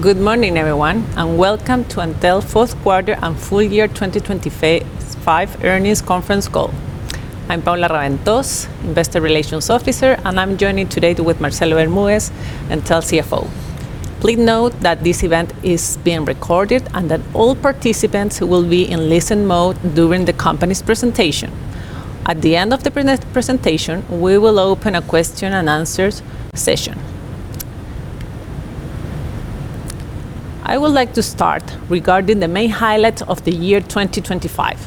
Good morning, everyone, and welcome to Entel fourth quarter and full year 2025 earnings conference call. I'm Paula Raventós, Investor Relations Officer, and I'm joining today with Marcelo Bermúdez, Entel CFO. Please note that this event is being recorded and that all participants will be in listen mode during the company's presentation. At the end of the presentation, we will open a question and answers session. I would like to start regarding the main highlights of the year 2025.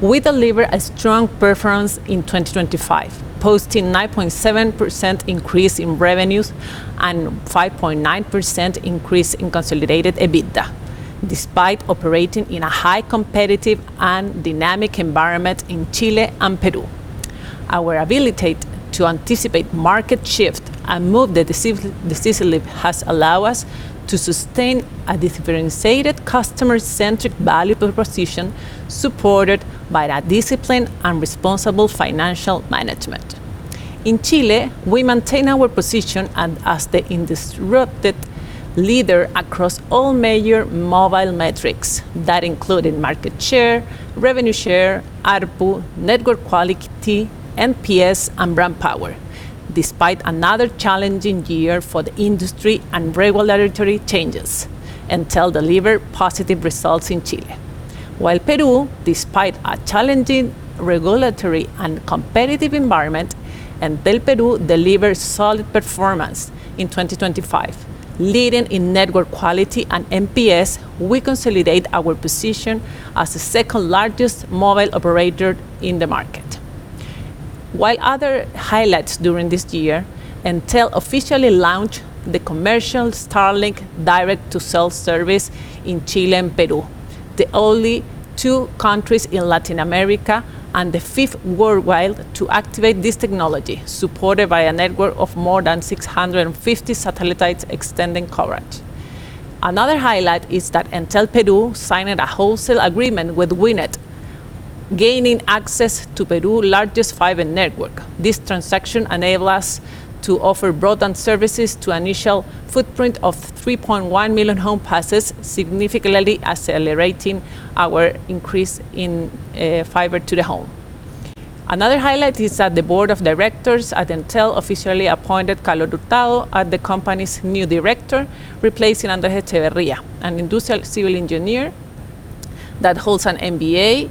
We delivered a strong performance in 2025, posting 9.7% increase in revenues and 5.9% increase in consolidated EBITDA, despite operating in a highly competitive and dynamic environment in Chile and Peru. Our ability to anticipate market shift and move decisively has allowed us to sustain a differentiated, customer-centric value proposition, supported by a disciplined and responsible financial management. In Chile, we maintain our position as the undisputed leader across all major mobile metrics. That included market share, revenue share, ARPU, network quality, NPS, and brand power. Despite another challenging year for the industry and regulatory changes, Entel delivered positive results in Chile. In Peru, despite a challenging regulatory and competitive environment, Entel Perú delivered solid performance in 2025. Leading in network quality and NPS, we consolidate our position as the second largest mobile operator in the market. Other highlights during this year, Entel officially launched the commercial Starlink direct-to-cell service in Chile and Peru, the only two countries in Latin America and the fifth worldwide to activate this technology, supported by a network of more than 650 satellites extending coverage. Another highlight is that Entel Perú signed a wholesale agreement with WIN, gaining access to Peru's largest fiber network. This transaction enables us to offer broadband services to an initial footprint of 3.1 million home passes, significantly accelerating our increase in fiber to the home. Another highlight is that the board of directors at Entel officially appointed Carlos Hurtado as the company's new director, replacing Andrés Echeverría, an industrial civil engineer that holds an MBA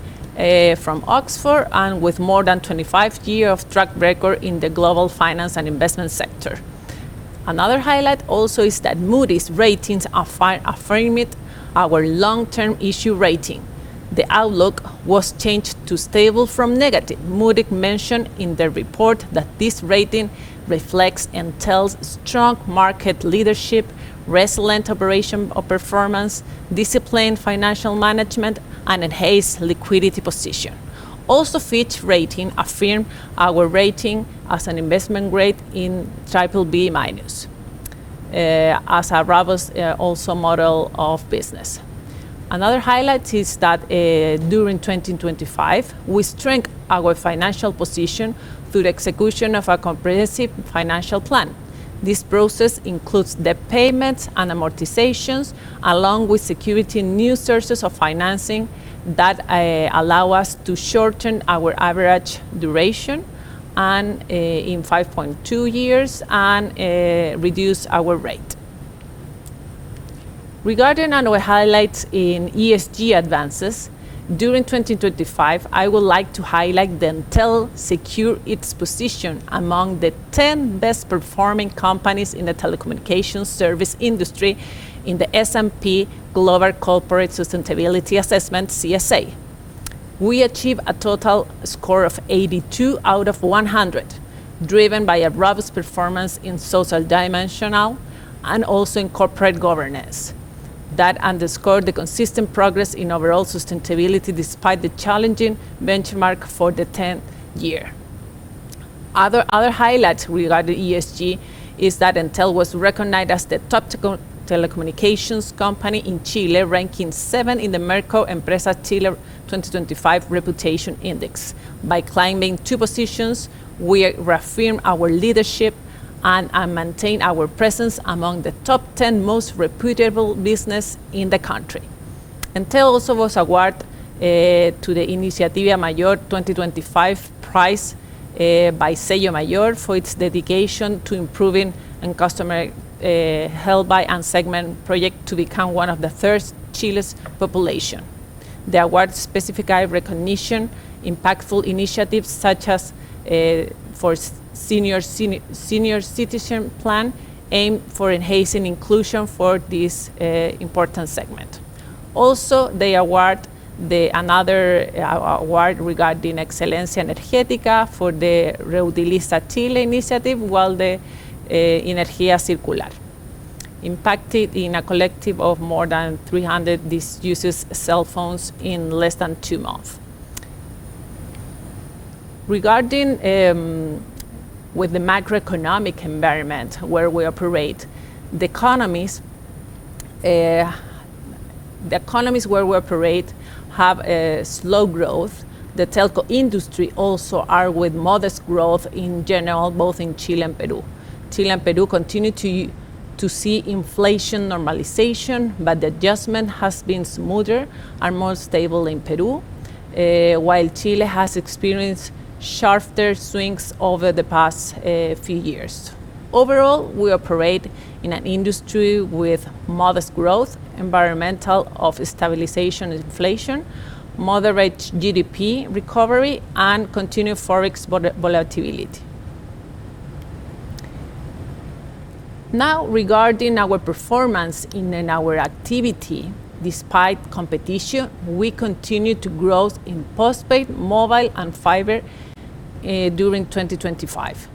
from Oxford and with more than 25 years of track record in the global finance and investment sector. Another highlight also is that Moody's affirmed our long-term issuer rating. The outlook was changed to stable from negative. Moody's mentioned in their report that this rating reflects Entel's strong market leadership, resilient operational performance, disciplined financial management, and enhanced liquidity position. Also, Fitch Ratings affirmed our rating as an investment grade in BBB-, as a robust business model. Another highlight is that, during 2025, we strengthened our financial position through the execution of a comprehensive financial plan. This process includes debt payments and amortizations, along with securing new sources of financing that allow us to shorten our average duration and in 5.2 years and reduce our rate. Regarding our highlights in ESG advances, during 2025, I would like to highlight that Entel secured its position among the 10 best performing companies in the telecommunications service industry in the S&P Global Corporate Sustainability Assessment, CSA. We achieved a total score of 82 out of 100, driven by a robust performance in social dimension and also in corporate governance. That underscored the consistent progress in overall sustainability, despite the challenging benchmark for the tenth year. Other highlights regarding ESG is that Entel was recognized as the top telecommunications company in Chile, ranking seventh in the Merco Empresas Chile 2025 Reputation Index. By climbing two positions, we reaffirmed our leadership and maintain our presence among the top 10 most reputable businesses in the country. Entel also was awarded the Iniciativa Mayor 2025 prize by Sello Mayor for its dedication to improving the customer experience for the elderly segment project to become one of the first in Chile's population. The award specifically recognition impactful initiatives such as the senior citizen plan, aimed for enhancing inclusion for this important segment. Also, they award another award regarding Excelencia Energética for the Reutiliza Chile initiative, while the Energía Circular impacted in a collective of more than 300 disused cell phones in less than two months. Regarding with the macroeconomic environment where we operate, the economies where we operate have a slow growth. The telco industry also are with modest growth in general, both in Chile and Peru. Chile and Peru continue to see inflation normalization, but the adjustment has been smoother and more stable in Peru, while Chile has experienced sharper swings over the past few years. Overall, we operate in an industry with modest growth, environment of stabilization inflation, moderate GDP recovery, and continued Forex volatility. Now, regarding our performance in our activity, despite competition, we continue to growth in postpaid, mobile, and fiber during 2025.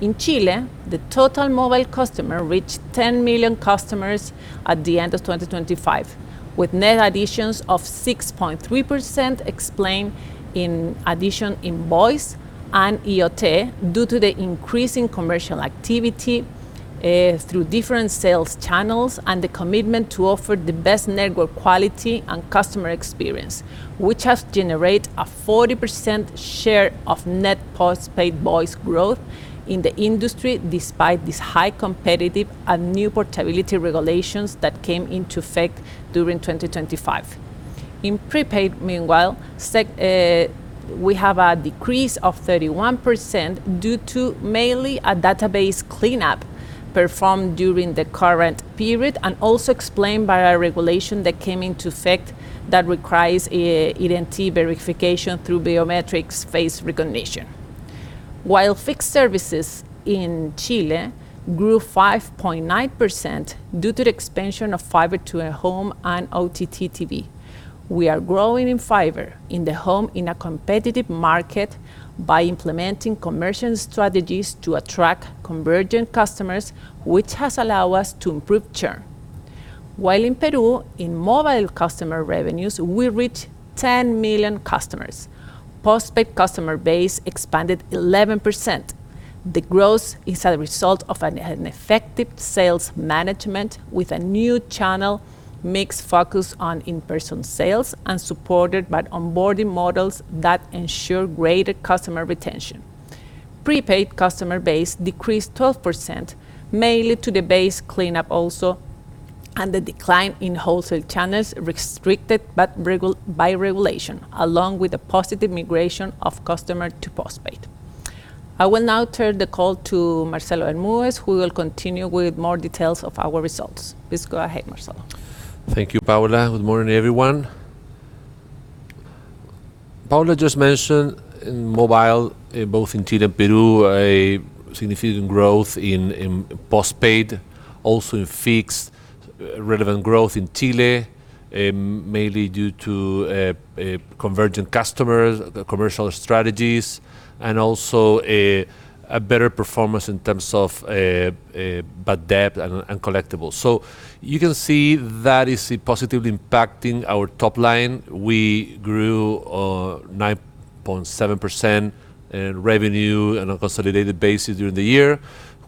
In Chile, the total mobile customer reached 10 million customers at the end of 2025, with net additions of 6.3% explained in addition in voice and IoT, due to the increasing commercial activity through different sales channels and the commitment to offer the best network quality and customer experience, which has generate a 40% share of net postpaid voice growth in the industry, despite this high competitive and new portability regulations that came into effect during 2025. In prepaid, meanwhile, we have a decrease of 31% due to mainly a database cleanup performed during the current period, and also explained by a regulation that came into effect that requires identity verification through biometrics face recognition. While fixed services in Chile grew 5.9% due to the expansion of fiber to the home and OTT TV. We are growing in fiber in the home in a competitive market by implementing commercial strategies to attract convergent customers, which has allowed us to improve churn. While in Peru, in mobile customer revenues, we reached 10 million customers. Postpaid customer base expanded 11%. The growth is a result of an effective sales management with a new channel mix focused on in-person sales and supported by onboarding models that ensure greater customer retention. Prepaid customer base decreased 12%, mainly to the base cleanup also, and the decline in wholesale channels restricted by regulation, along with a positive migration of customer to postpaid. I will now turn the call to Marcelo Bermúdez, who will continue with more details of our results. Please go ahead, Marcelo. Thank you, Paula. Good morning, everyone. Paula just mentioned in mobile, both in Chile and Peru, a significant growth in postpaid, also in fixed, relevant growth in Chile, mainly due to convergent customers, the commercial strategies, and also a better performance in terms of bad debt and collectibles. So you can see that is positively impacting our top line. We grew 9.7% in revenue on a consolidated basis during the year,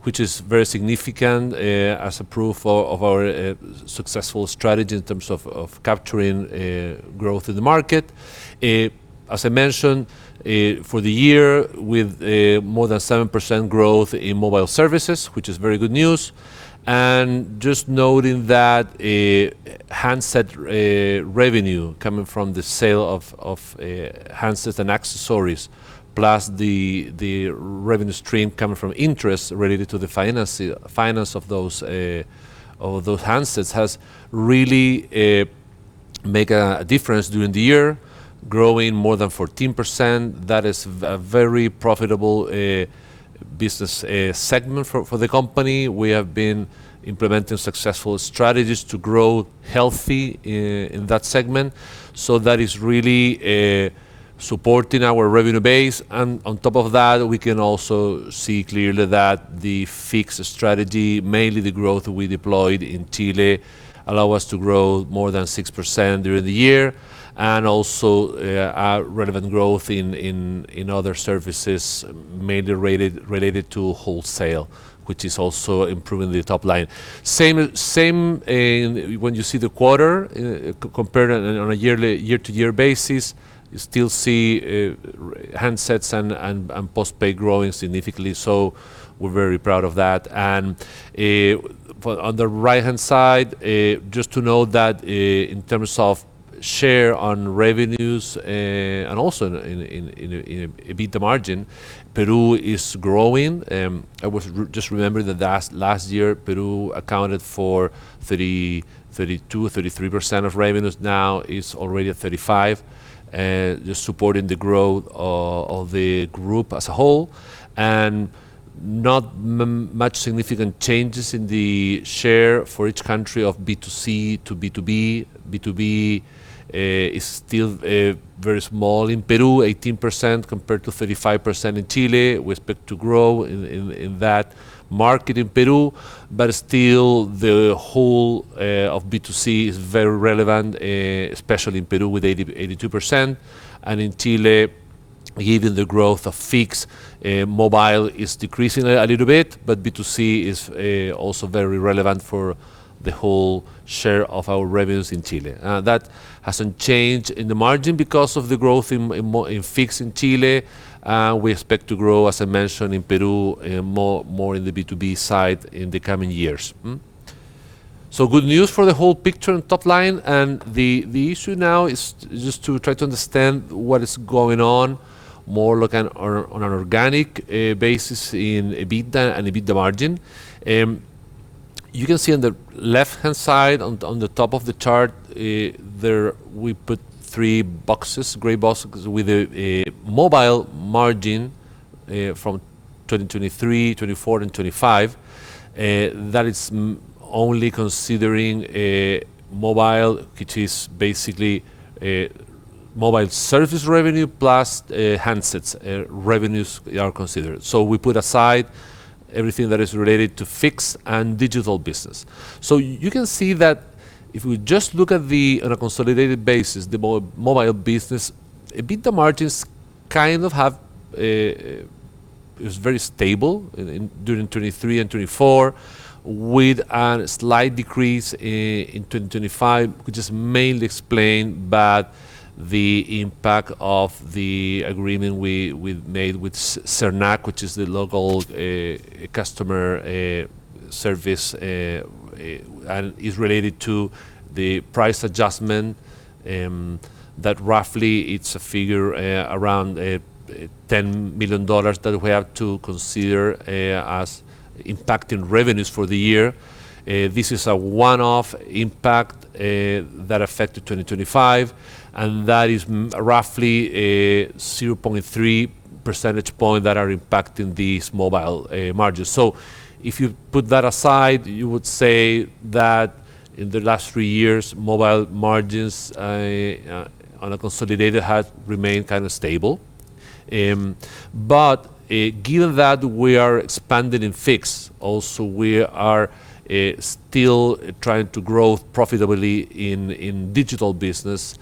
which is very significant, as a proof of our successful strategy in terms of capturing growth in the market. As I mentioned, for the year, with more than 7% growth in mobile services, which is very good news. And just noting that, handset revenue coming from the sale of handsets and accessories, plus the revenue stream coming from interest related to the finance of those handsets, has really make a difference during the year, growing more than 14%. That is a very profitable business segment for the company. We have been implementing successful strategies to grow healthy in that segment, so that is really supporting our revenue base. And on top of that, we can also see clearly that the fixed strategy, mainly the growth we deployed in Chile, allow us to grow more than 6% during the year. And also, a relevant growth in other services, mainly related to wholesale, which is also improving the top line. Same, same, when you see the quarter, compared on a yearly, year-to-year basis, you still see handsets and postpaid growing significantly, so we're very proud of that. And, for on the right-hand side, just to note that, in terms of share on revenues, and also in EBITDA margin, Peru is growing. Just remember that last year, Peru accounted for 30, 32, 33% of revenues. Now, it's already at 35, just supporting the growth of the group as a whole, and not much significant changes in the share for each country of B2C to B2B. B2B is still very small in Peru, 18% compared to 35% in Chile. We expect to grow in that market in Peru, but still the whole of B2C is very relevant, especially in Peru, with 82%, and in Chile, given the growth of fixed, mobile is decreasing a little bit, but B2C is also very relevant for the whole share of our revenues in Chile. That hasn't changed in the margin because of the growth in fixed in Chile. We expect to grow, as I mentioned, in Peru, more in the B2B side in the coming years. So good news for the whole picture and top line, and the issue now is just to try to understand what is going on, more look on an organic basis in EBITDA and EBITDA margin. You can see on the left-hand side, on the top of the chart, there we put three boxes, gray boxes, with a mobile margin from 2023, 2024, and 2025. That is only considering mobile, which is basically mobile service revenue, plus handsets revenues are considered. So we put aside everything that is related to fixed and digital business. So you can see that if we just look at, on a consolidated basis, the mobile business, EBITDA margins kind of have... It was very stable in, during 2023 and 2024, with a slight decrease in 2025, which is mainly explained by the impact of the agreement we made with SERNAC, which is the local customer service, and is related to the price adjustment, that roughly it's a figure around $10 million that we have to consider as impacting revenues for the year. This is a one-off impact that affected 2025, and that is roughly 0.3 percentage point that are impacting these mobile margins. So if you put that aside, you would say that in the last three years, mobile margins on a consolidated have remained kind of stable. But given that we are expanding in fixed, also, we are still trying to grow profitably in digital business,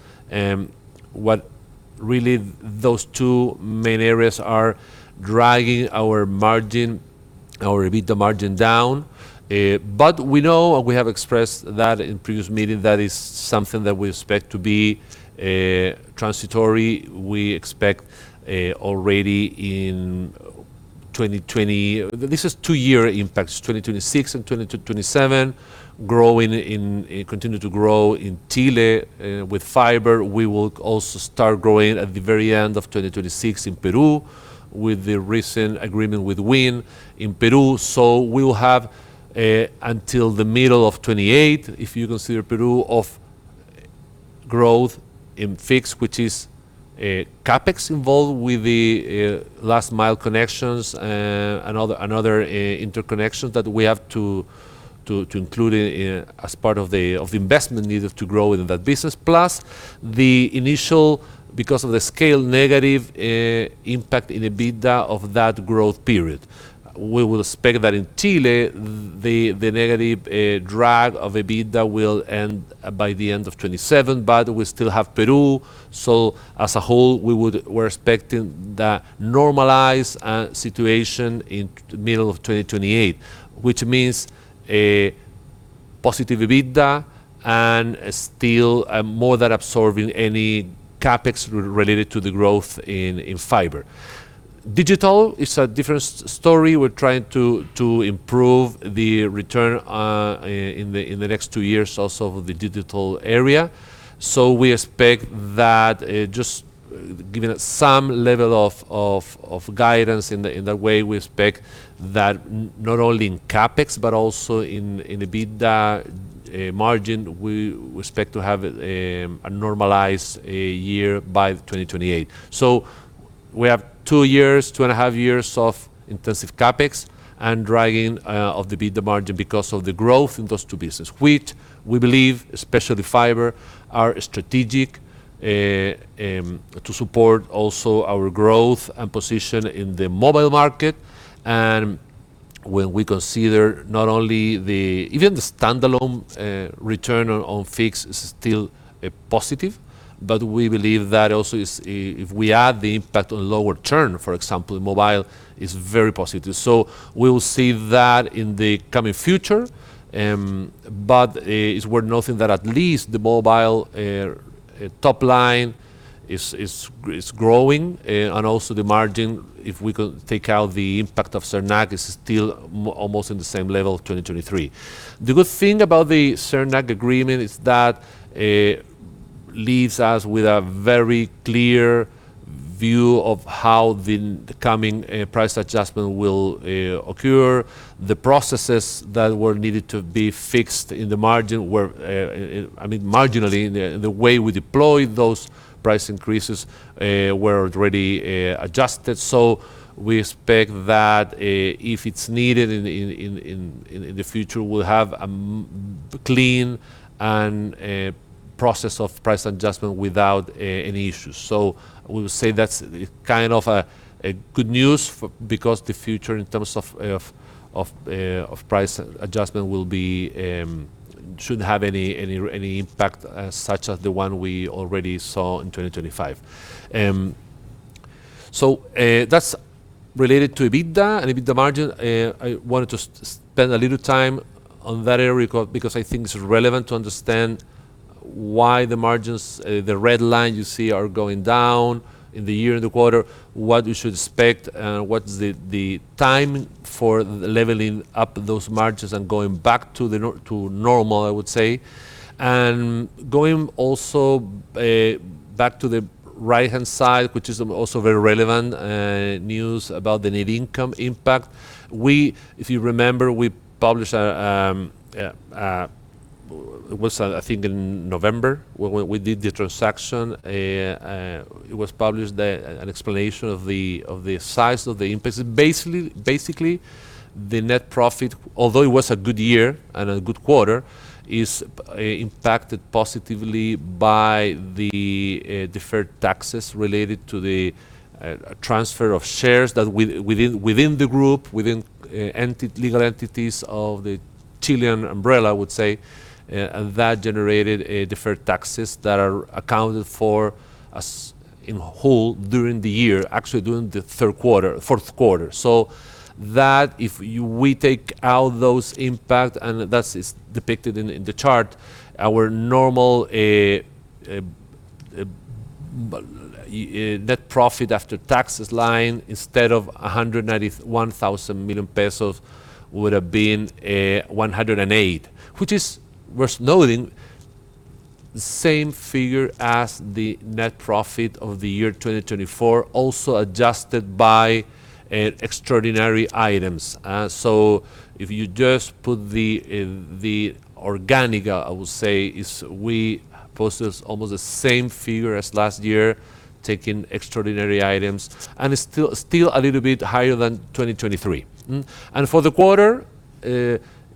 what really those two main areas are dragging our margin, our EBITDA margin down. But we know, and we have expressed that in previous meeting, that is something that we expect to be transitory. We expect already in 2020. This is two-year impacts, 2026 and 2027, growing in continue to grow in Chile with fiber. We will also start growing at the very end of 2026 in Peru, with the recent agreement with WIN in Peru. So we will have until the middle of 2028, if you consider Peru, of growth in fixed, which is CapEx involved with the last mile connections and other interconnections that we have to include in as part of the investment needed to grow in that business. Plus the initial, because of the scale, negative impact in EBITDA of that growth period. We will expect that in Chile the negative drag of EBITDA will end by the end of 2027, but we still have Peru. So as a whole, we're expecting the normalized situation in middle of 2028, which means a positive EBITDA and still more than absorbing any CapEx related to the growth in fiber. Digital is a different story. We're trying to improve the return in the next two years, also for the digital area. So we expect that just giving it some level of guidance in that way, we expect that not only in CapEx but also in EBITDA margin, we expect to have a normalized year by 2028. So we have two years, two and a half years of intensive CapEx and dragging of the EBITDA margin because of the growth in those two business, which we believe, especially fiber, are strategic to support also our growth and position in the mobile market. And when we consider not only the... Even the standalone return on fixed is still positive, but we believe that also is, if we add the impact on lower churn, for example, mobile is very positive. So we will see that in the coming future, but it's worth noting that at least the mobile top line is growing, and also the margin, if we could take out the impact of SERNAC, is still almost in the same level of 2023. The good thing about the SERNAC agreement is that leaves us with a very clear view of how the coming price adjustment will occur. The processes that were needed to be fixed in the margin were, I mean, marginally, the way we deployed those price increases were already adjusted. So we expect that if it's needed in the future, we'll have a clean and process of price adjustment without any issues. So we'll say that's kind of a good news because the future, in terms of price adjustment, will be shouldn't have any impact, such as the one we already saw in 2025. So that's related to EBITDA and EBITDA margin. I wanted to spend a little time on that area because I think it's relevant to understand why the margins, the red line you see, are going down in the year and the quarter, what you should expect, and what is the time for the leveling up those margins and going back to the normal, I would say. And going also back to the right-hand side, which is also very relevant news about the net income impact. We, if you remember, we published a it was, I think, in November, we did the transaction, it was published that an explanation of the size of the impact. Basically, the net profit, although it was a good year and a good quarter, is impacted positively by the deferred taxes related to the transfer of shares that within the group, within Entel legal entities of the Chilean umbrella, I would say. And that generated deferred taxes that are accounted for as a whole, during the year, actually during the third quarter, fourth quarter. So that if we take out those impacts, and that is depicted in the chart, our normal net profit after taxes line, instead of 191 thousand million pesos, would have been 108. Which is worth noting, the same figure as the net profit of the year 2024, also adjusted by extraordinary items. So if you just put the organic, I would say, we posted almost the same figure as last year, taking extraordinary items, and it's still a little bit higher than 2023. And for the quarter,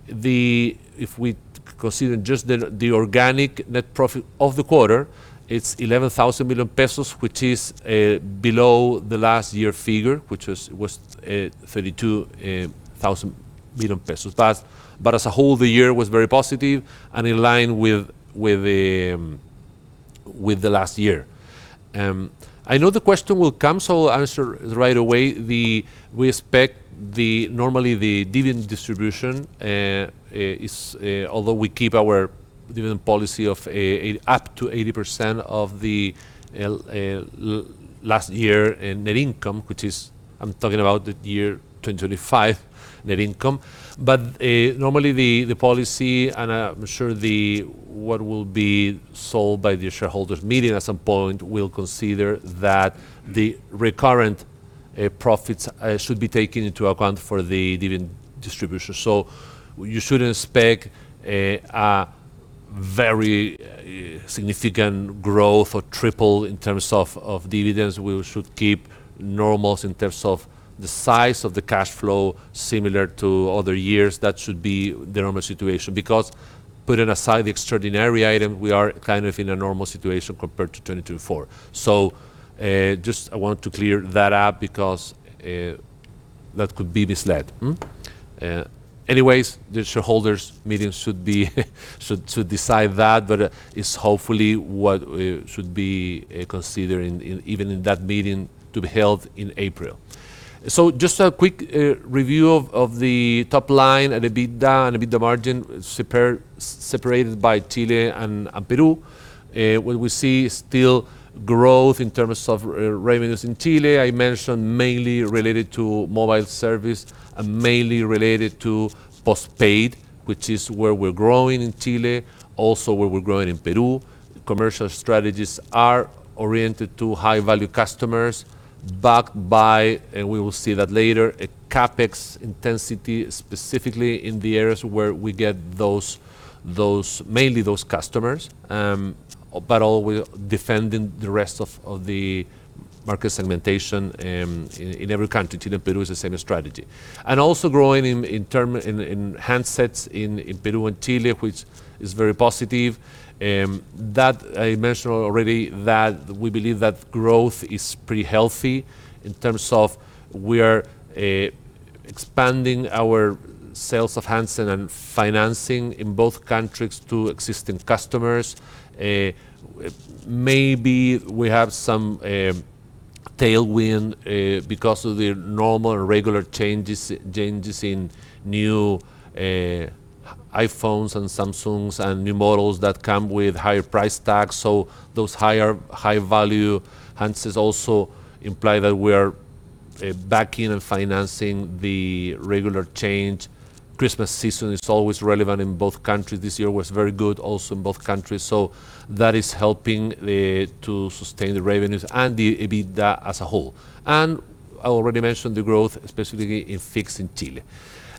if we consider just the organic net profit of the quarter, it's 11 thousand million pesos, which is below the last year figure, which was 32 thousand million pesos. But as a whole, the year was very positive and in line with the last year. I know the question will come, so I'll answer right away. We expect normally the dividend distribution is, although we keep our dividend policy of up to 80% of the last year in net income, which is. I'm talking about the year 2025 net income. But normally the policy, and I'm sure the what will be sold by the shareholders' meeting at some point, will consider that the recurrent profits should be taken into account for the dividend distribution. So you shouldn't expect a very significant growth or triple in terms of dividends. We should keep normals in terms of the size of the cash flow, similar to other years. That should be the normal situation, because putting aside the extraordinary item, we are kind of in a normal situation compared to 2024. So, just I want to clear that up because, that could be misleading. Anyways, the shareholders' meeting should decide that, but it's hopefully what should be considered in even in that meeting to be held in April. So just a quick review of the top line and EBITDA, and EBITDA margin separated by Chile and Peru. Where we see still growth in terms of revenues in Chile, I mentioned mainly related to mobile service and mainly related to postpaid, which is where we're growing in Chile, also where we're growing in Peru. Commercial strategies are oriented to high-value customers, backed by, and we will see that later, a CapEx intensity, specifically in the areas where we get those mainly those customers, but all we're defending the rest of the market segmentation, in every country, Chile, Peru, is the same strategy. And also growing in handsets in Peru and Chile, which is very positive. That I mentioned already, that we believe that growth is pretty healthy in terms of we are expanding our sales of handset and financing in both countries to existing customers. Maybe we have some tailwind because of the normal and regular changes in new iPhones and Samsungs and new models that come with higher price tags. So those higher, high-value handsets also imply that we are backing and financing the regular change. Christmas season is always relevant in both countries. This year was very good also in both countries, so that is helping to sustain the revenues and the EBITDA as a whole. And I already mentioned the growth, specifically in fixed in Chile.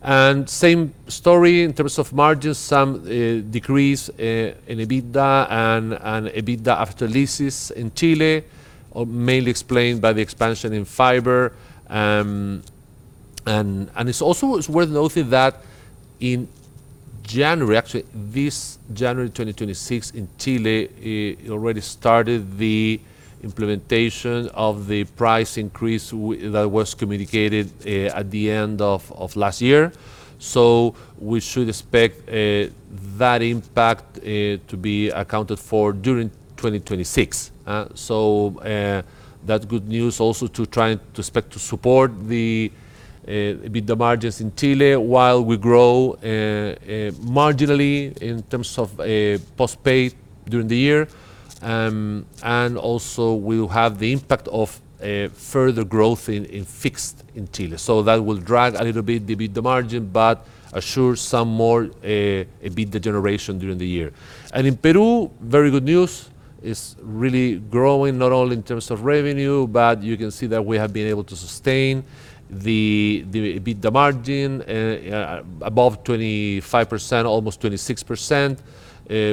And same story in terms of margins, some decrease in EBITDA and EBITDA after leases in Chile, mainly explained by the expansion in fiber. And it's also worth noting that January, actually, this January 2026 in Chile, already started the implementation of the price increase that was communicated at the end of last year. So we should expect that impact to be accounted for during 2026. So, that's good news also to try to expect to support the EBITDA margins in Chile while we grow marginally in terms of postpaid during the year. And also we will have the impact of further growth in fixed in Chile. So that will drag a little bit the EBITDA margin, but assure some more EBITDA generation during the year. And in Peru, very good news. It's really growing, not only in terms of revenue, but you can see that we have been able to sustain the EBITDA margin above 25%, almost 26%,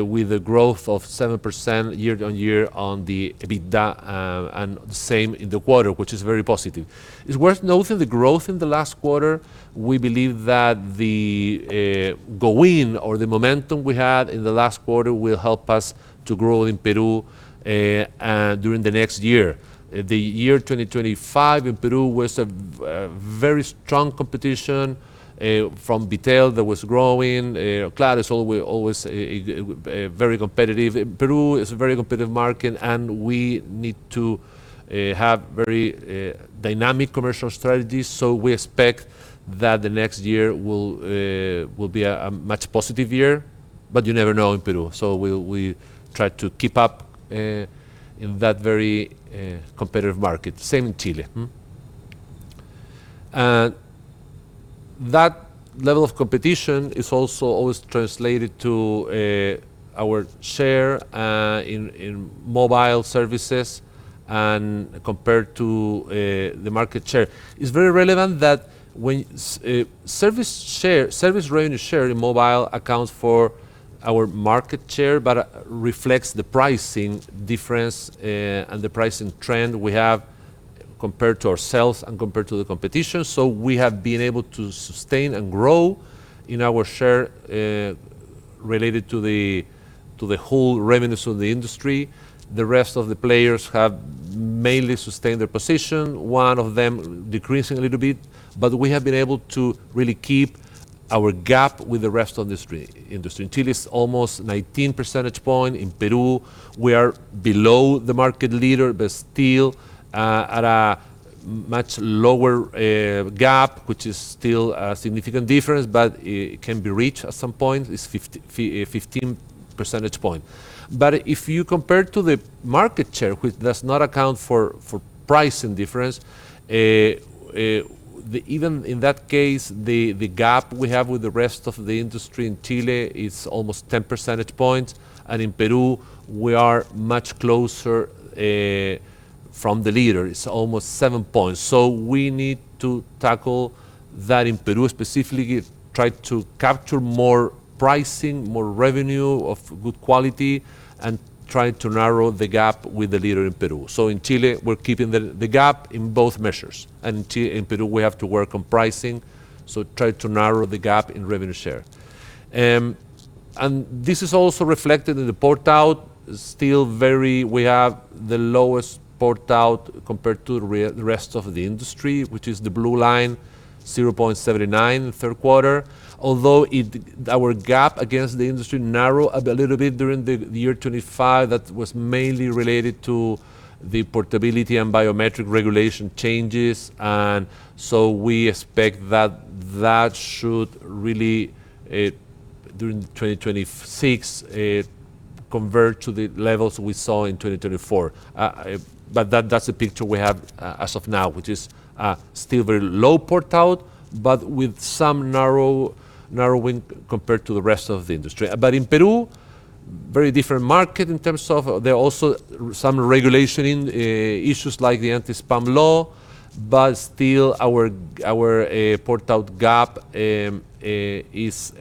with a growth of 7% year-on-year on the EBITDA, and same in the quarter, which is very positive. It's worth noting the growth in the last quarter, we believe that the going or the momentum we had in the last quarter will help us to grow in Peru during the next year. The year 2025 in Peru was a very strong competition from retail that was growing. Claro is always, always very competitive. Peru is a very competitive market, and we need to have very dynamic commercial strategies, so we expect that the next year will be a much positive year, but you never know in Peru. So we try to keep up in that very competitive market. Same in Chile. And that level of competition is also always translated to our share in mobile services and compared to the market share. It's very relevant that when service share, service revenue share in mobile accounts for our market share, but reflects the pricing difference, and the pricing trend we have compared to ourselves and compared to the competition. So we have been able to sustain and grow in our share, related to the whole revenues of the industry. The rest of the players have mainly sustained their position, one of them decreasing a little bit. But we have been able to really keep our gap with the rest of the industry. In Chile, it's almost 19 percentage point. In Peru, we are below the market leader, but still at a much lower gap, which is still a significant difference, but it can be reached at some point. It's 15 percentage point. But if you compare to the market share, which does not account for pricing difference, even in that case, the gap we have with the rest of the industry in Chile is almost 10 percentage points, and in Peru, we are much closer from the leader. It's almost seven points. So we need to tackle that in Peru, specifically, try to capture more pricing, more revenue of good quality, and try to narrow the gap with the leader in Peru. So in Chile, we're keeping the gap in both measures, and in Peru, we have to work on pricing, so try to narrow the gap in revenue share. And this is also reflected in the port out. Still very we have the lowest port out compared to the rest of the industry, which is the blue line, 0.79, third quarter. Although it, our gap against the industry narrow a little bit during the year 2025, that was mainly related to the portability and biometric regulation changes, and so we expect that that should really during 2026 convert to the levels we saw in 2024. But that, that's the picture we have as of now, which is still very low port out, but with some narrow, narrowing compared to the rest of the industry. But in Peru, very different market in terms of... There are also some regulations in issues like the anti-spam law, but still our port out gap is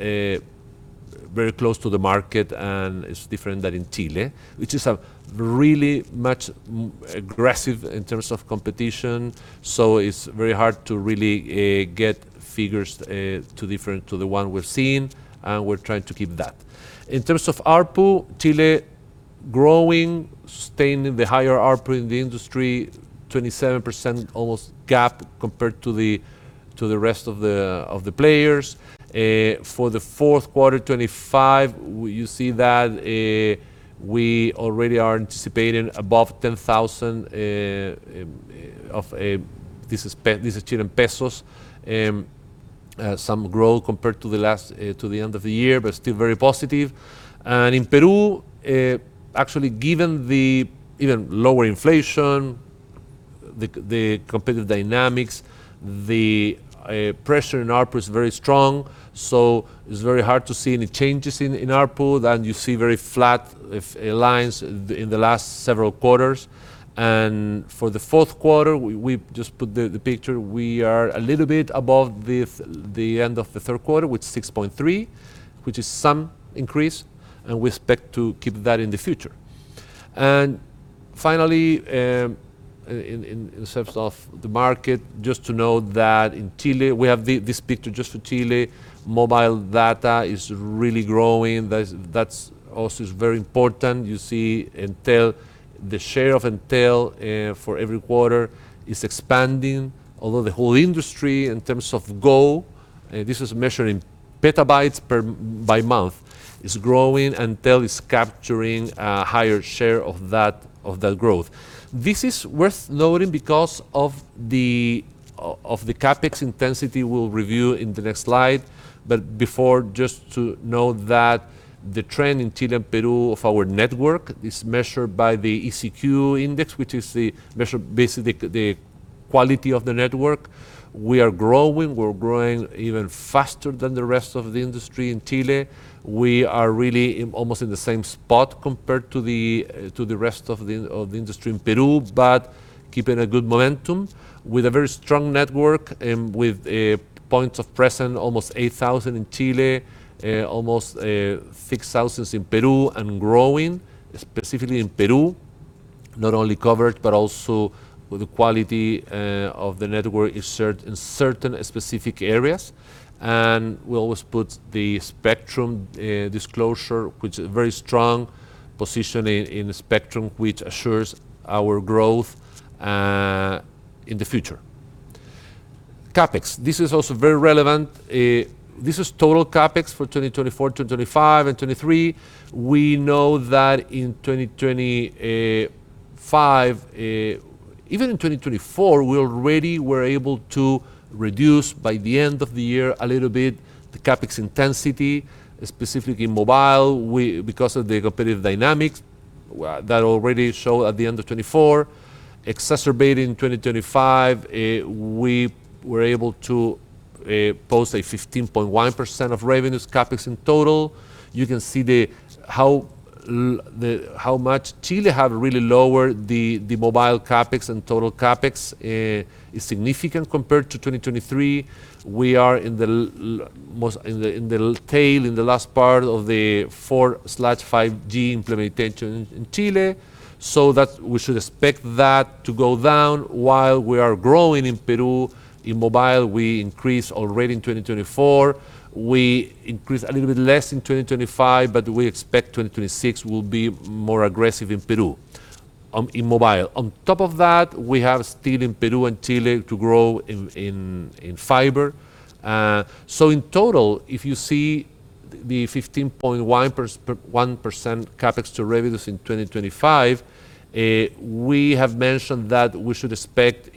very close to the market, and it's different than in Chile, which is a really much more aggressive in terms of competition. So it's very hard to really get figures too different to the one we've seen, and we're trying to keep that. In terms of ARPU, Chile growing, sustaining the higher ARPU in the industry, 27% almost gap compared to the rest of the players. For the fourth quarter, 25, you see that we already are anticipating above 10,000, this is Chilean pesos. Some growth compared to the last to the end of the year, but still very positive. And in Peru, actually, given the even lower inflation, the competitive dynamics, the pressure in ARPU is very strong, so it's very hard to see any changes in ARPU, and you see very flat lines in the last several quarters. And for the fourth quarter, we just put the picture. We are a little bit above the end of the third quarter, with 6.3, which is some increase, and we expect to keep that in the future... And finally, in terms of the market, just to note that in Chile, we have this picture just for Chile, mobile data is really growing. That is, that's also very important. You see Entel, the share of Entel, for every quarter is expanding, although the whole industry in terms of this is measured in petabytes per month, is growing. Entel is capturing a higher share of that, of that growth. This is worth noting because of the, of, of the CapEx intensity we'll review in the next slide. But before, just to note that the trend in Chile and Peru of our network is measured by the CEQ Index, which is the measure, basically, the, the quality of the network. We are growing. We're growing even faster than the rest of the industry in Chile. We are really almost in the same spot compared to the rest of the industry in Peru, but keeping a good momentum with a very strong network and with points of presence, almost 8,000 in Chile, almost 6,000 in Peru and growing, specifically in Peru. Not only covered, but also with the quality of the network in certain specific areas. And we always put the spectrum disclosure, which is a very strong position in the spectrum, which assures our growth in the future. CapEx, this is also very relevant. This is total CapEx for 2024, 2025, and 2023. We know that in 2025, even in 2024, we already were able to reduce by the end of the year, a little bit, the CapEx intensity, specifically in mobile, we because of the competitive dynamics that already showed at the end of 2024, exacerbated in 2025, we were able to post a 15.1% of revenues CapEx in total. You can see the, how the, how much Chile have really lowered the, the mobile CapEx and total CapEx is significant compared to 2023. We are almost in the tail, in the last part of the 4G/5G implementation in Chile, so that we should expect that to go down. While we are growing in Peru, in mobile, we increased already in 2024. We increased a little bit less in 2025, but we expect 2026 will be more aggressive in Peru, in mobile. On top of that, we have still in Peru and Chile to grow in fiber. So in total, if you see the 15.1% CapEx to revenues in 2025, we have mentioned that we should expect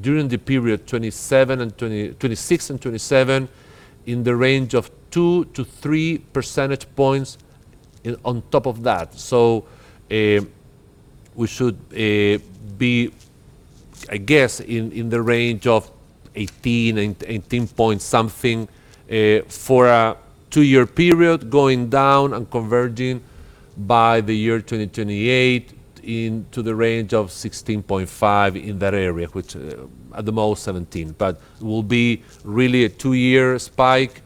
during the period 2026 and 2027, in the range of 2-3 percentage points on top of that. So, we should be, I guess, in the range of 18-18 point something for a two-year period, going down and converging by the year 2028, into the range of 16.5 in that area, which, at the most, 17. But will be really a two-year spike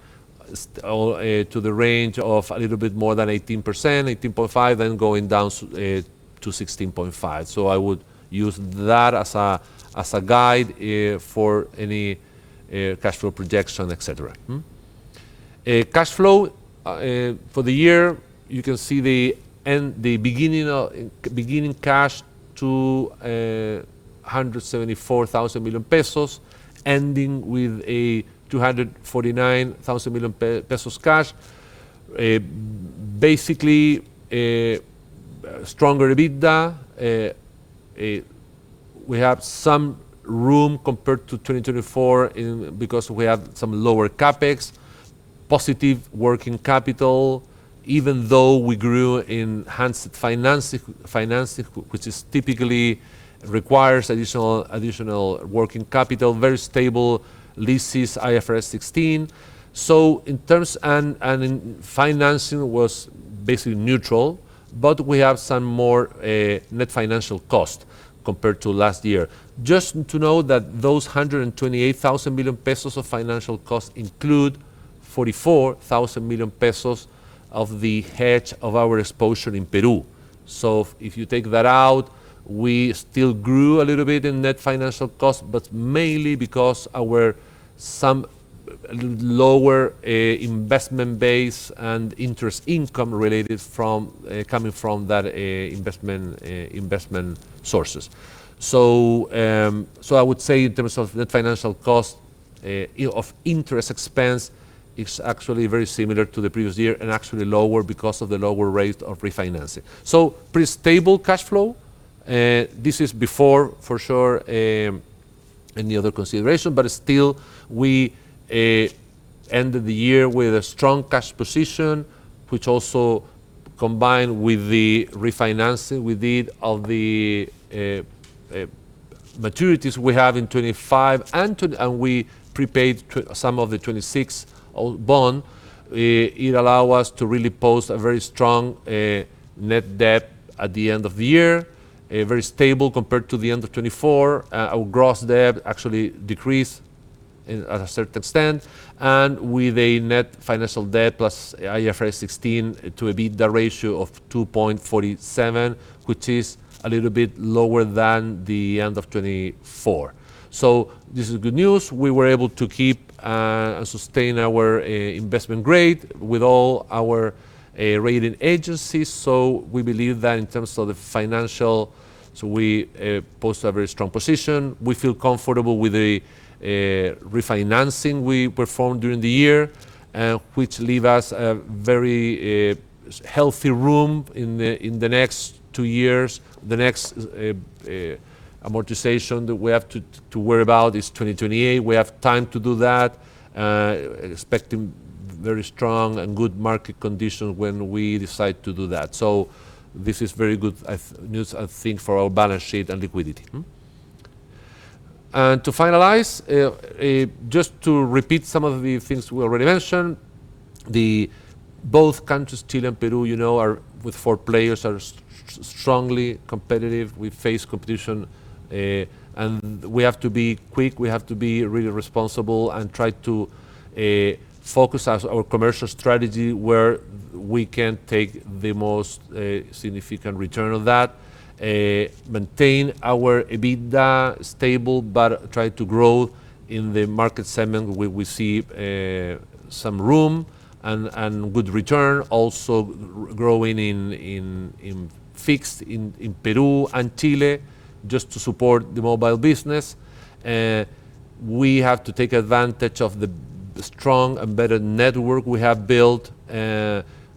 to the range of a little bit more than 18%, 18.5%, then going down to 16.5%. So I would use that as a guide for any cash flow projection, etcetera. Mm-hmm? Cash flow for the year, you can see the beginning cash of 174 thousand million pesos, ending with 249 thousand million pesos cash. Basically, a stronger EBITDA. We have some room compared to 2024 because we have some lower CapEx, positive working capital, even though we grew in enhanced financing, which typically requires additional working capital, very stable leases, IFRS 16. So in terms of financing was basically neutral, but we have some more net financial cost compared to last year. Just so you know that those 128 billion pesos of financial costs include 44 billion pesos of the hedge of our exposure in Peru. So if you take that out, we still grew a little bit in net financial cost, but mainly because of our some lower investment base and interest income related from coming from that investment sources. So I would say in terms of the financial cost of interest expense, it's actually very similar to the previous year and actually lower because of the lower rate of refinancing. So pretty stable cash flow. This is before, for sure, any other consideration, but still, we ended the year with a strong cash position, which also combined with the refinancing we did of the maturities we have in 2025, and we prepaid some of the 2026 bond. It allow us to really post a very strong net debt at the end of the year, very stable compared to the end of 2024. Our gross debt actually decreased at a certain extent, and with a net financial debt plus IFRS 16 to EBITDA ratio of 2.47, which is a little bit lower than the end of 2024. So this is good news. We were able to keep and sustain our investment grade with all our rating agencies, so we believe that in terms of the financial, so we pose a very strong position. We feel comfortable with the refinancing we performed during the year, which leave us a very healthy room in the next two years. The next amortization that we have to worry about is 2028. We have time to do that, expecting very strong and good market conditions when we decide to do that. So this is very good news, I think, for our balance sheet and liquidity. And to finalize, just to repeat some of the things we already mentioned, both countries, Chile and Peru, you know, are, with four players, strongly competitive. We face competition, and we have to be quick. We have to be really responsible and try to focus as our commercial strategy, where we can take the most significant return on that, maintain our EBITDA stable, but try to grow in the market segment where we see some room and good return. Also, growing in fixed in Peru and Chile, just to support the mobile business. We have to take advantage of the strong and better network we have built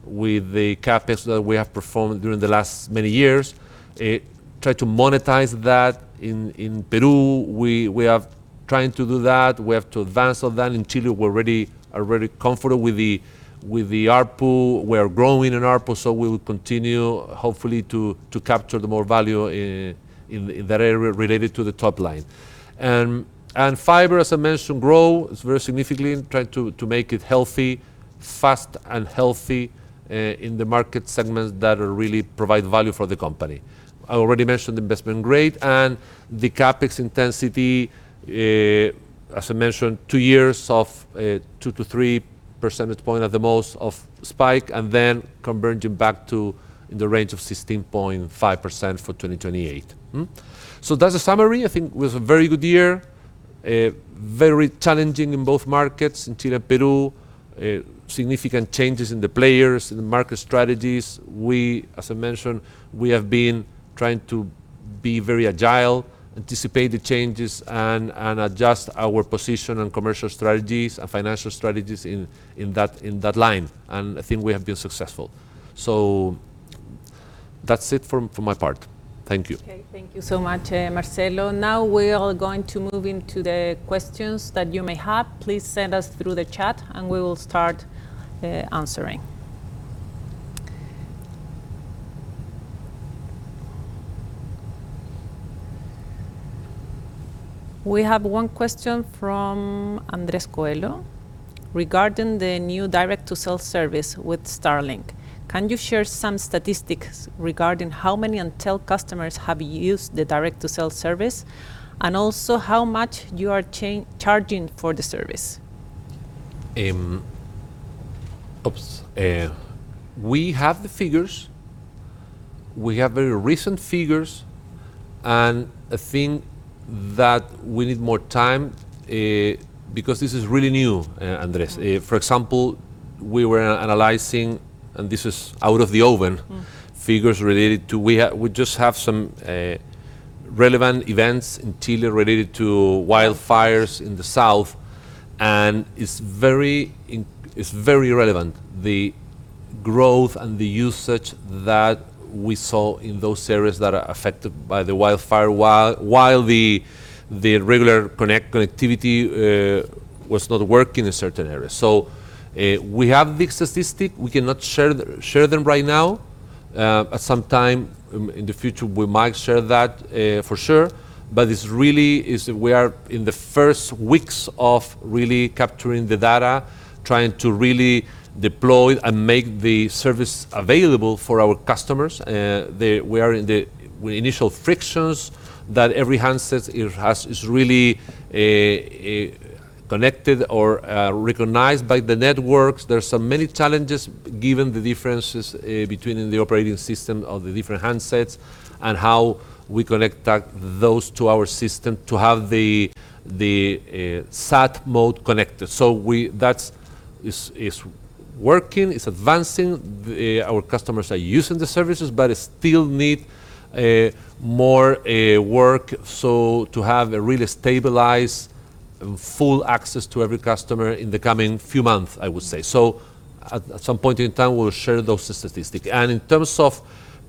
with the CapEx that we have performed during the last many years. Try to monetize that. In Peru, we have trying to do that. We have to advance on that. In Chile, we are already comfortable with the ARPU. We are growing in ARPU, so we will continue, hopefully, to capture the more value in that area related to the top line. And fiber, as I mentioned, grow very significantly, trying to make it healthy, fast and healthy, in the market segments that really provide value for the company. I already mentioned the investment grade and the CapEx intensity. As I mentioned, two years of 2-3 percentage point at the most of spike, and then converging back to in the range of 16.5% for 2028. So that's a summary. I think it was a very good year, very challenging in both markets, in Chile, Peru. Significant changes in the players, in the market strategies. We, as I mentioned, we have been trying to be very agile, anticipate the changes, and adjust our position and commercial strategies and financial strategies in that line, and I think we have been successful. So that's it from my part. Thank you. Okay, thank you so much, Marcelo. Now, we are going to move into the questions that you may have. Please send us through the chat, and we will start answering. We have one question from Andrés Coello regarding the new direct-to-cell service with Starlink: Can you share some statistics regarding how many Entel customers have used the direct-to-cell service, and also how much you are charging for the service? We have the figures. We have very recent figures, and I think that we need more time, Andrés. Mm-hmm. For example, we were analyzing, and this is out of the oven- Mm... figures related to we just have some relevant events in Chile related to wildfires in the south, and it's very relevant, the growth and the usage that we saw in those areas that are affected by the wildfire, while the regular connectivity was not working in certain areas. So, we have the statistic. We cannot share the, share them right now. At some time in the future, we might share that, for sure, but it's really, it's, we are in the first weeks of really capturing the data, trying to really deploy and make the service available for our customers. We are in the initial frictions that every handsets it has, is really connected or recognized by the networks. There are so many challenges, given the differences between the operating system of the different handsets and how we connect that, those to our system to have the sat mode connected. So we, that's, it's, is working, it's advancing. Our customers are using the services, but it still need more work, so to have a really stabilized and full access to every customer in the coming few months, I would say. Mm. So at some point in time, we'll share those statistics. And in terms of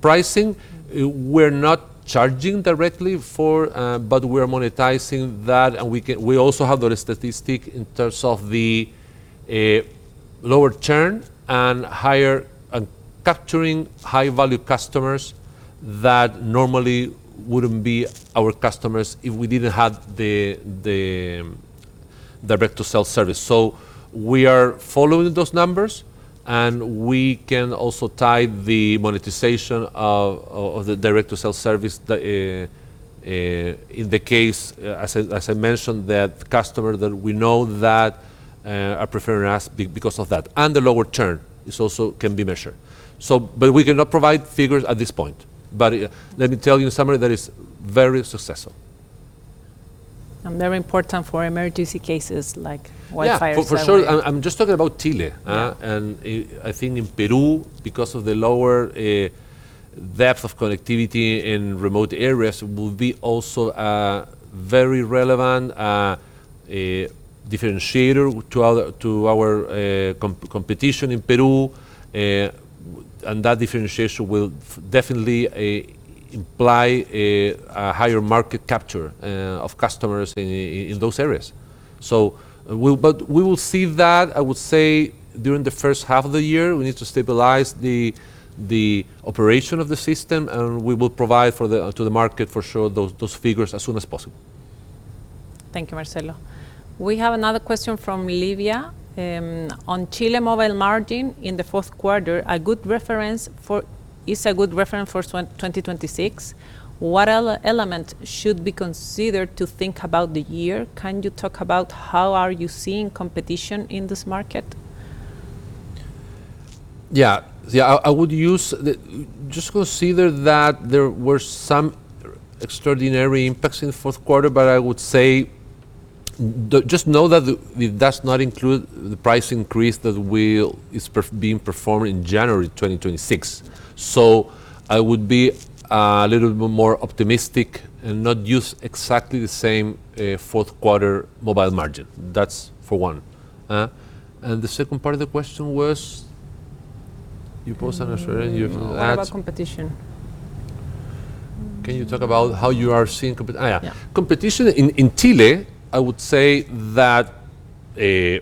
pricing- Mm... we're not charging directly for, but we're monetizing that, and we also have the statistic in terms of the lower churn and higher... and capturing high-value customers that normally wouldn't be our customers if we didn't have the direct-to-cell service. So we are following those numbers... and we can also tie the monetization of the direct-to-cell service that in the case, as I mentioned, that customer that we know that are preferring us because of that, and the lower churn also can be measured. So, but we cannot provide figures at this point, but let me tell you in summary, that is very successful. Very important for emergency cases like wildfires- Yeah, for sure. I'm just talking about Chile. Yeah. And, I think in Peru, because of the lower depth of connectivity in remote areas, will be also a very relevant differentiator to our competition in Peru. And that differentiation will definitely imply a higher market capture of customers in those areas. But we will see that, I would say, during the first half of the year. We need to stabilize the operation of the system, and we will provide to the market for sure those figures as soon as possible. Thank you, Marcelo. We have another question from Lívia: "On Chile mobile margin in the fourth quarter, a good reference for 2026. What element should be considered to think about the year? Can you talk about how are you seeing competition in this market? Yeah. Yeah, I would use the... Just consider that there were some extraordinary impacts in the fourth quarter, but I would say, just know that it does not include the price increase that is being performed in January 2026. So I would be a little bit more optimistic and not use exactly the same fourth quarter mobile margin. That's for one. And the second part of the question was? You post an answer in your ads. What about competition? Can you talk about how you are seeing competi-? Ah, yeah. Yeah. Competition in Chile, I would say that if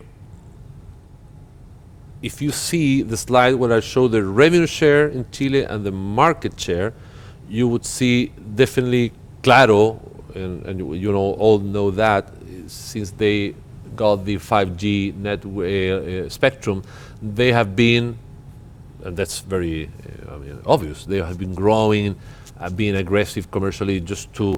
you see the slide where I show the revenue share in Chile and the market share, you would see definitely Claro, and you know, all know that since they got the 5G spectrum, they have been, and that's very obvious, they have been growing and being aggressive commercially just to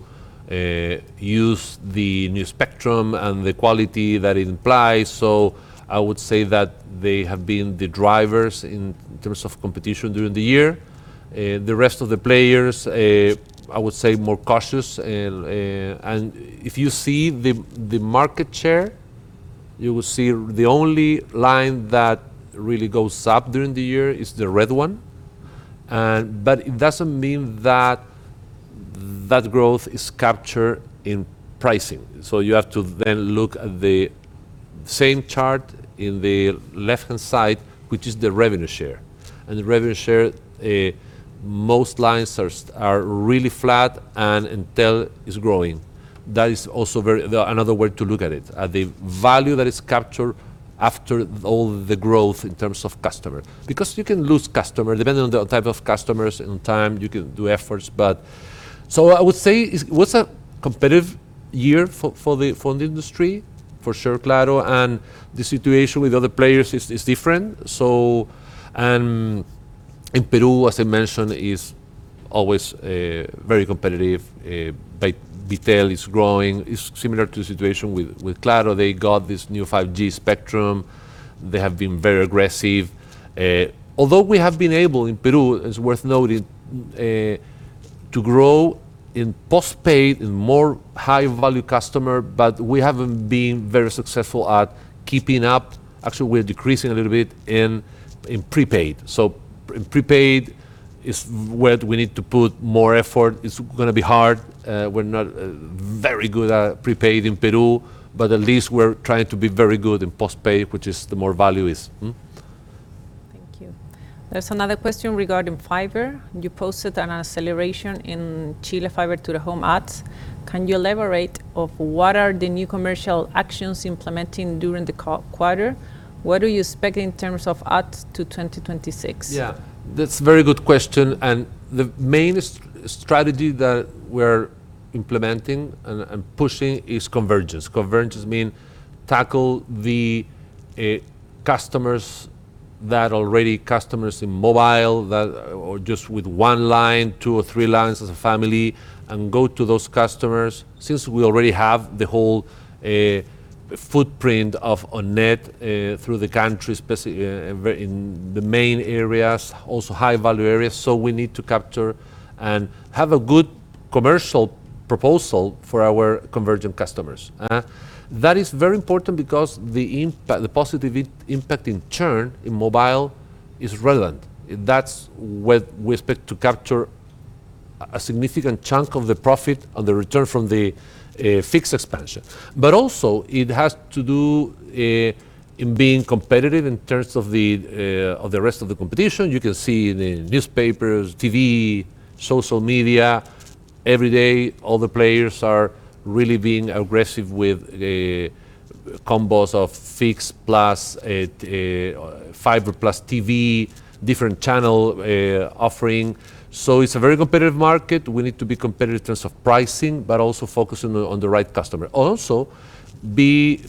use the new spectrum and the quality that it implies. So I would say that they have been the drivers in terms of competition during the year. The rest of the players, I would say more cautious. And if you see the market share, you will see the only line that really goes up during the year is the red one, and... But it doesn't mean that that growth is captured in pricing. So you have to then look at the same chart in the left-hand side, which is the revenue share. And the revenue share, most lines are really flat and Entel is growing. That is also very another way to look at it, at the value that is captured after all the growth in terms of customer. Because you can lose customer, depending on the type of customers, in time, you can do efforts, but... So I would say it was a competitive year for the industry, for sure, Claro, and the situation with other players is different. So, and in Peru, as I mentioned, is always very competitive, Bitel is growing. It's similar to the situation with Claro. They got this new 5G spectrum. They have been very aggressive, although we have been able, in Peru, it's worth noting, to grow in postpaid in more high-value customer, but we haven't been very successful at keeping up. Actually, we're decreasing a little bit in prepaid. So prepaid is where we need to put more effort. It's gonna be hard. We're not very good at prepaid in Peru, but at least we're trying to be very good in postpaid, which is the more value is. Mm-hmm. Thank you. There's another question regarding fiber. You posted an acceleration in Chile Fiber to the Home adds. Can you elaborate on what are the new commercial actions implementing during the quarter? What are you expecting in terms of adds to 2026? Yeah, that's a very good question, and the main strategy that we're implementing and pushing is convergence. Convergence mean tackle the customers that already customers in mobile, that, or just with one line, two or three lines as a family, and go to those customers, since we already have the whole footprint of On-net through the country, specifically in the main areas, also high-value areas, so we need to capture and have a good commercial proposal for our convergent customers. That is very important because the positive impact in churn, in mobile, is relevant. That's where we expect to capture a significant chunk of the profit on the return from the fixed expansion. But also, it has to do in being competitive in terms of the rest of the competition. You can see in the newspapers, TV, social media, every day, all the players are really being aggressive with the combos of fixed plus fiber plus TV, different channel offering. So it's a very competitive market. We need to be competitive in terms of pricing, but also focusing on, on the right customer. Also, be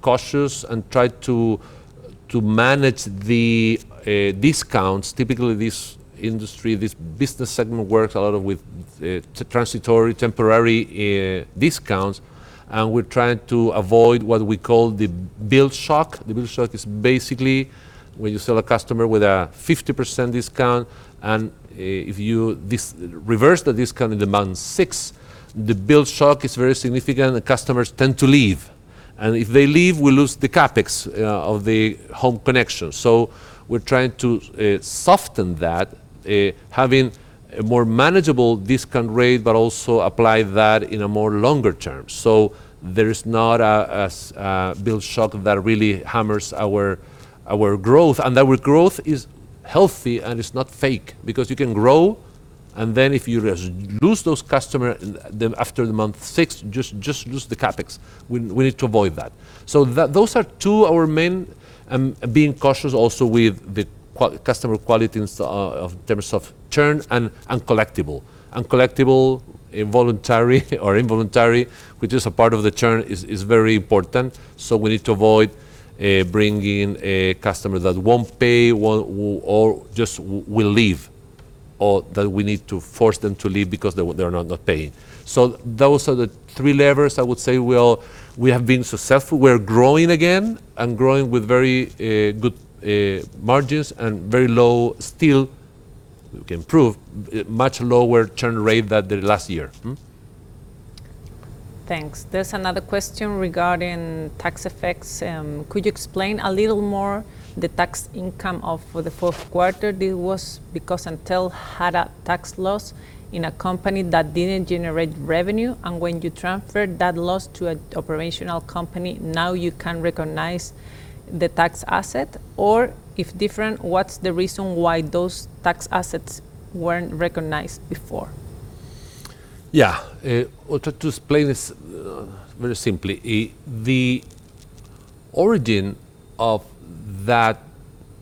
cautious and try to manage the discounts. Typically, this industry, this business segment works a lot with transitory, temporary discounts, and we're trying to avoid what we call the bill shock. The bill shock is basically when you sell a customer with a 50% discount, and if you reverse the discount in the month six, the bill shock is very significant, and customers tend to leave. And if they leave, we lose the CapEx of the home connection. So we're trying to soften that, having a more manageable discount rate, but also apply that in a more longer term. So there is not a bill shock that really hammers our growth, and that our growth is healthy and it's not fake. Because you can grow, and then if you lose those customers, then after the month six, just lose the CapEx. We need to avoid that. So those are two of our main, being cautious also with the customer quality in terms of churn and collectibility. Uncollectible, voluntary or involuntary, which is a part of the churn, is very important, so we need to avoid bringing a customer that won't pay, or just will leave, or that we need to force them to leave because they are not paying. So those are the three levers I would say we all... We have been successful. We're growing again, and growing with very good margins and very low still, we can improve, much lower churn rate than the last year. Thanks. There's another question regarding tax effects. Could you explain a little more the tax income of, for the fourth quarter? This was because Entel had a tax loss in a company that didn't generate revenue, and when you transferred that loss to an operational company, now you can recognize the tax asset? Or if different, what's the reason why those tax assets weren't recognized before? Yeah, well, to explain this very simply, the origin of that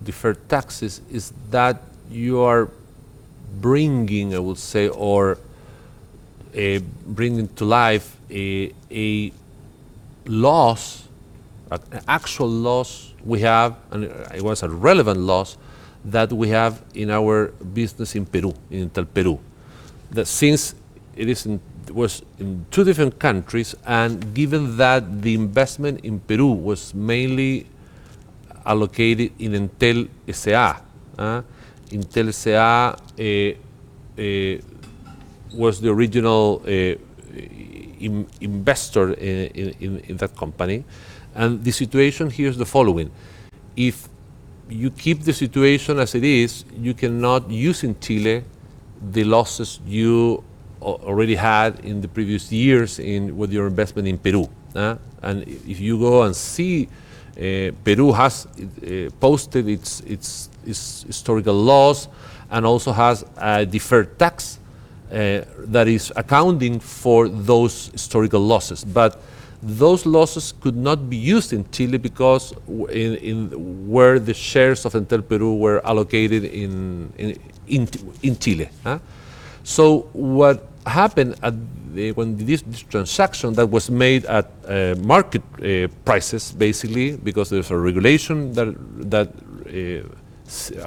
deferred taxes is that you are bringing, I would say, or bringing to life a loss, an actual loss we have, and it was a relevant loss that we have in our business in Peru, in Entel Perú. That, since it was in two different countries, and given that the investment in Peru was mainly allocated in Entel S.A. Entel S.A. was the original investor in that company, and the situation here is the following: If you keep the situation as it is, you cannot use in Chile the losses you already had in the previous years in with your investment in Peru. And if you go and see, Peru has posted its historical loss and also has a deferred tax that is accounting for those historical losses. But those losses could not be used in Chile because where the shares of Entel Perú were allocated in Chile. So what happened at the, when this transaction that was made at market prices, basically, because there's a regulation that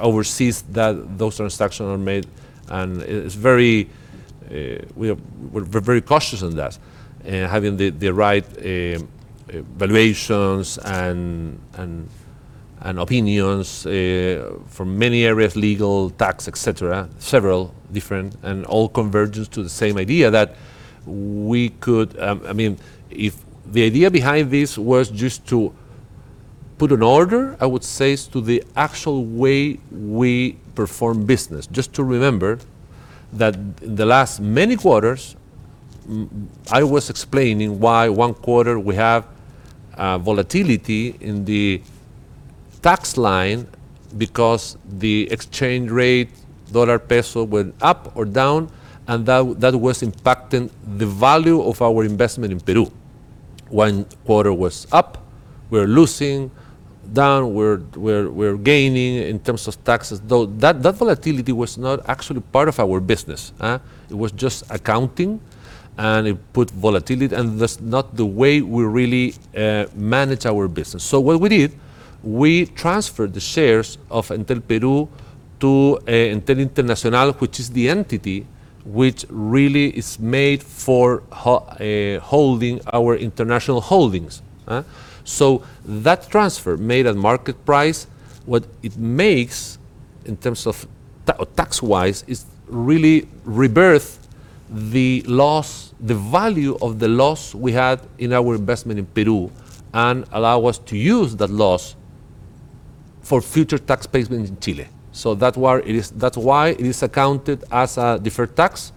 oversees that those transactions are made, and it's very, we're very cautious on that, having the right valuations and opinions from many areas, legal, tax, et cetera, several different, and all converges to the same idea, that we could. I mean, if the idea behind this was just to put an order, I would say, is to the actual way we perform business. Just to remember that the last many quarters, I was explaining why one quarter we have volatility in the tax line because the exchange rate, dollar, peso, went up or down, and that was impacting the value of our investment in Peru. When quarter was up, we're losing, down, we're gaining in terms of taxes. Though, that volatility was not actually part of our business. It was just accounting, and it put volatility, and that's not the way we really manage our business. So what we did, we transferred the shares of Entel Perú to Entel Internacional, which is the entity which really is made for holding our international holdings. So that transfer, made at market price, what it makes in terms of tax- or tax-wise, is really rebirth the loss, the value of the loss we had in our investment in Perú and allow us to use that loss for future tax payments in Chile. So that's why it is, that's why it is accounted as a deferred tax.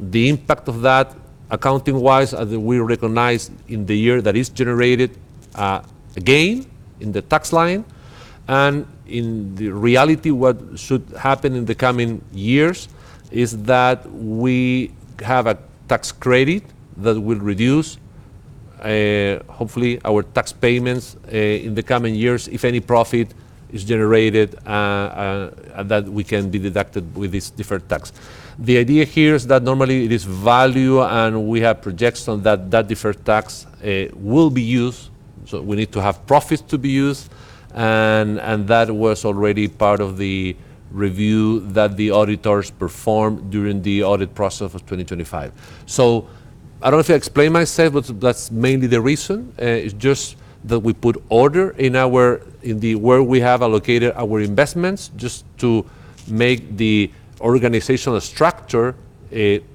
The impact of that, accounting-wise, we recognize in the year that is generated, again, in the tax line, and in the reality, what should happen in the coming years is that we have a tax credit that will reduce, hopefully, our tax payments in the coming years, if any profit is generated, that we can be deducted with this deferred tax. The idea here is that normally it is valued, and we have projection that that deferred tax will be used, so we need to have profits to be used, and that was already part of the review that the auditors performed during the audit process of 2025. So I don't know if I explained myself, but that's mainly the reason. It's just that we put order in the way we have allocated our investments just to make the organizational structure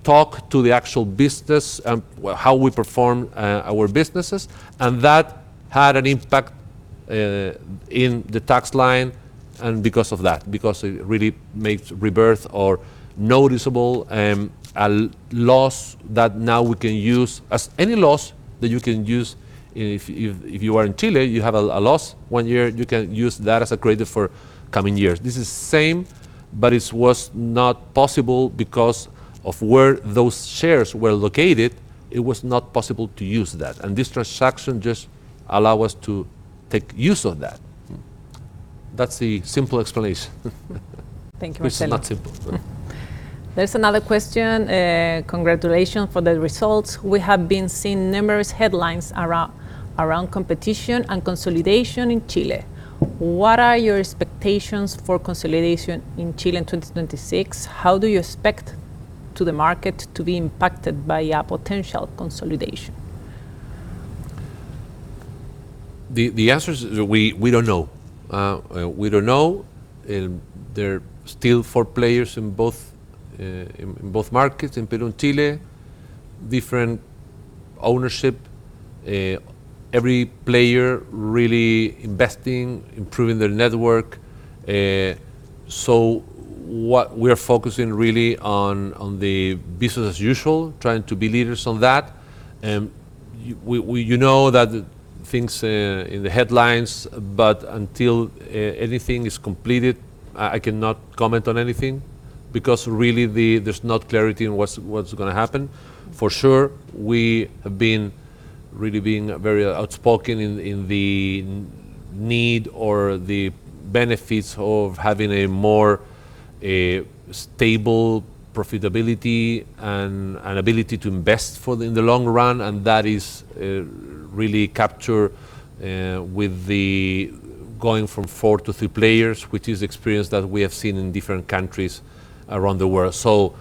talk to the actual business and, well, how we perform our businesses. And that had an impact in the tax line and because of that, because it really makes it worth or noticeable a loss that now we can use. As any loss that you can use if you are in Chile, you have a loss one year, you can use that as a credit for coming years. This is the same, but it was not possible because of where those shares were located. It was not possible to use that, and this transaction just allows us to make use of that. That's the simple explanation. Thank you, Marcelo. It's not simple. There's another question: "Congratulations for the results. We have been seeing numerous headlines around competition and consolidation in Chile. What are your expectations for consolidation in Chile in 2026? How do you expect the market to be impacted by a potential consolidation? The answer is we don't know. We don't know, and there are still 4 players in both markets, in Peru and Chile, different ownership, every player really investing, improving their network. So what we are focusing really on the business as usual, trying to be leaders on that. You know that things in the headlines, but until anything is completed, I cannot comment on anything because really there's not clarity on what's gonna happen. For sure, we have been really been very outspoken in, in the need or the benefits of having a more, stable profitability and, and ability to invest for in the long run, and that is, really captured, with the going from 4 to 3 players, which is experience that we have seen in different countries around the world. So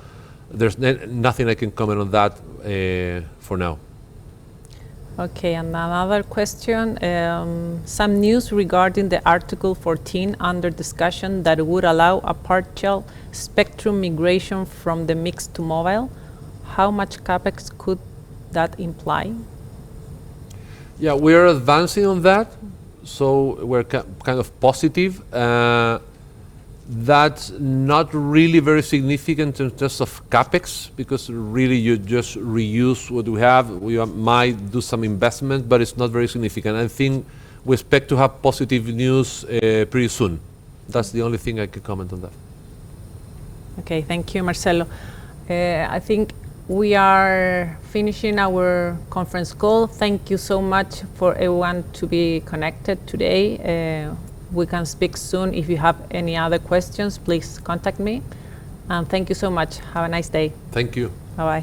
there's nothing I can comment on that, for now. Okay, and another question: some news regarding the Article 14 under discussion that would allow a partial spectrum migration from the mixed to mobile. How much CapEx could that imply? Yeah, we are advancing on that, so we're kind of positive. That's not really very significant in terms of CapEx, because really you just reuse what we have. We might do some investment, but it's not very significant. I think we expect to have positive news pretty soon. That's the only thing I could comment on that. Okay. Thank you, Marcelo. I think we are finishing our conference call. Thank you so much for everyone to be connected today. We can speak soon. If you have any other questions, please contact me, and thank you so much. Have a nice day. Thank you. Bye-bye.